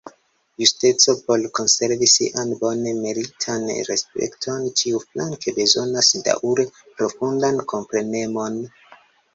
Justeco, por konservi sian bone meritan respekton, ĉiuflanke bezonas daŭre profundan komprenemon.